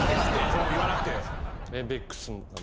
そんな言わなくて。